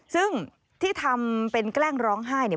ซึ่งที่ทำเป็นแกล้งร้องไห้เนี่ย